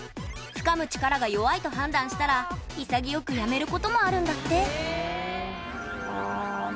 つかむ力が弱いと判断したら潔くやめることもあるんだって。